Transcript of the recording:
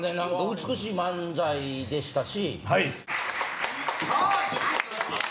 美しい漫才でしたし。